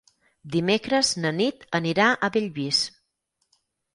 Dimecres na Nit anirà a Bellvís.